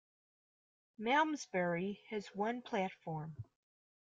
Malmsbury has one platform.